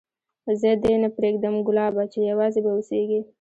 زه دي نه پرېږدم ګلابه چي یوازي به اوسېږې